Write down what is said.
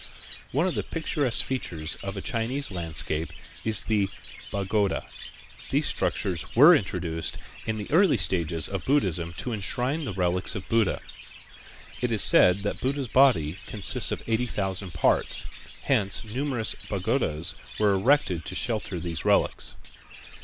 One of the picturesque features of a Chinese landscape is the pagoda. These structures were introduced in the early stages of Buddhism to enshrine the relics of Buddha. It was said that Buddha's body consisted of eighty thousand parts, hence numerous pagodas were erected to shelter these relics.